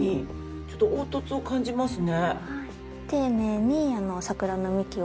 ちょっと凹凸を感じますね。